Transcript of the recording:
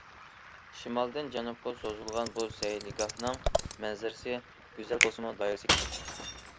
شىمالدىن جەنۇبقا سوزۇلغان بۇ سەيلىگاھنىڭ مەنزىرىسى گۈزەل بولسىمۇ، دائىرىسى كىچىك.